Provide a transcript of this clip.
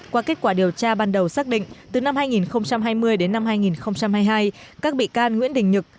qua kết quả điều tra ban đầu xác định từ năm hai nghìn hai mươi đến năm hai nghìn hai mươi hai các bị can nguyễn đình nhực